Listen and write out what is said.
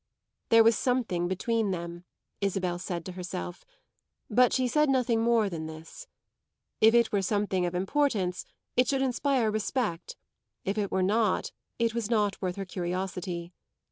There was something between them, Isabel said to herself, but she said nothing more than this. If it were something of importance it should inspire respect; if it were not it was not worth her curiosity.